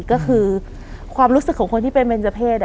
ก็คือความรู้สึกของคนที่เป็นเบนเจอร์เพศ